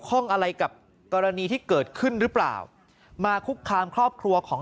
ข้องอะไรกับกรณีที่เกิดขึ้นหรือเปล่ามาคุกคามครอบครัวของ